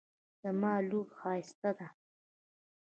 زما لور ښایسته ده